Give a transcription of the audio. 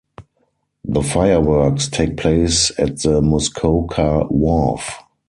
The fireworks take place at the Muskoka Wharf.